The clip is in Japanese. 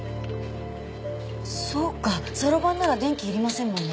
そうかそろばんなら電気いりませんもんね。